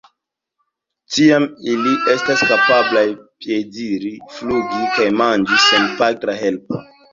Tiam ili estas kapablaj piediri, flugi kaj manĝi sen patra helpo.